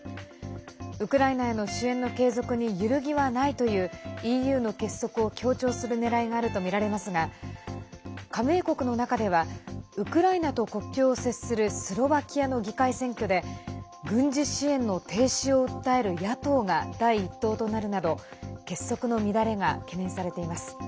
ウクライナへの支援の継続に揺るぎはないというＥＵの結束を強調するねらいがあるとみられますが加盟国の中ではウクライナと国境を接するスロバキアの議会選挙で軍事支援の停止を訴える野党が第１党となるなど結束の乱れが懸念されています。